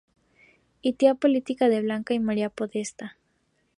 Y tía política de Blanca y María Podestá.